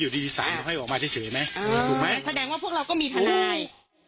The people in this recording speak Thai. ดีสารเขาให้ออกมาเฉยไหมถูกไหมแสดงว่าพวกเราก็มีทนาย